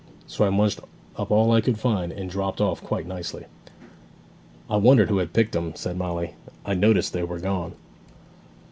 So I munched up all I could find, and dropped off quite nicely.' 'I wondered who had picked 'em!' said Molly. 'I noticed they were gone.'